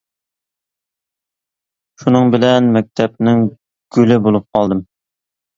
شۇنىڭ بىلەن مەكتەپنىڭ گۈلى بولۇپ قالدىم.